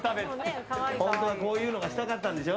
本当はこういうのがしたかったんでしょ？